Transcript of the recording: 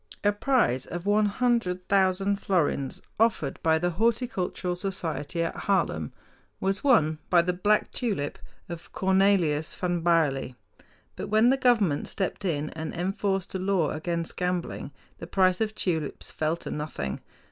A prize of one hundred thousand florins offered by the horticultural society at Haarlem was won by the black tulip of Cornelius van Baerle. But when the government stepped in and enforced a law against gambling the price of tulips fell to nothing.